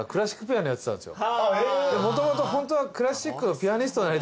もともとホントは。